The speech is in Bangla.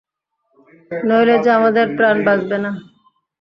নইলে যে আমাদের প্রাণ বাঁচবে না।